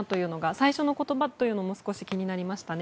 最初の言葉も少し気になりましたね。